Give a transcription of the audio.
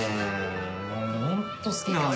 ホント好きなんすよ。